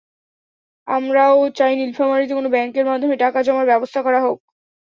আমরাও চাই নীলফামারীতে কোনো ব্যাংকের মাধ্যমে টাকা জমার ব্যবস্থা করা হোক।